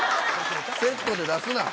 セットで出すな。